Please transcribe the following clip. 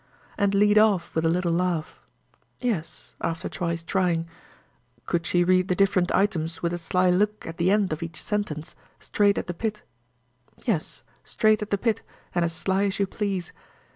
And lead off with a little laugh (Yes—after twice trying)? Could she read the different items with a sly look at the end of each sentence, straight at the pit (Yes, straight at the pit, and as sly as you please)?